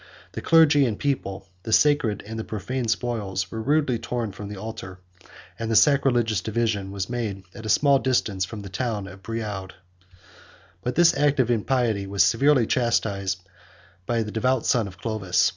The clergy and people, the sacred and the profane spoils, were rudely torn from the altar; and the sacrilegious division was made at a small distance from the town of Brioude. But this act of impiety was severely chastised by the devout son of Clovis.